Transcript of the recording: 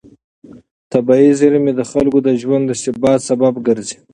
طبیعي زېرمې د خلکو د ژوند د ثبات سبب ګرځي.